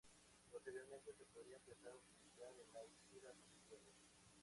Posteriormente se podrá empezar a utilizar en las giras oficiales.